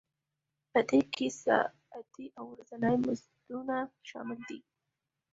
په دې کې ساعتي او ورځني مزدونه شامل دي